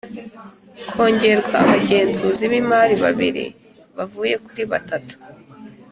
kongerwa Abagenzuzi b imari babiri bavuye kuri batatu